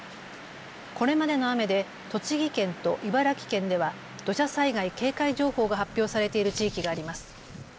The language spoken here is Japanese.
これまでの雨で栃木県と茨城県では土砂災害警戒情報が発表されている地域があります。